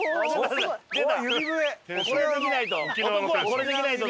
これができないと。